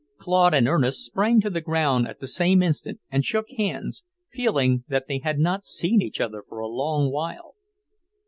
Claude and Ernest sprang to the ground at the same instant and shook hands, feeling that they had not seen each other for a long while.